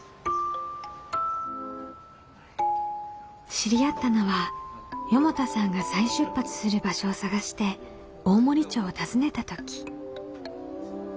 知り合ったのは四方田さんが再出発する場所を探して大森町を訪ねた時。